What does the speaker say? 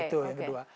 itu yang kedua